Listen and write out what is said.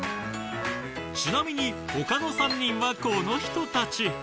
ちなみに他の３人はこの人たち。